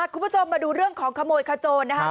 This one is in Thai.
คุณผู้ชมมาดูเรื่องของขโมยขโจรนะครับ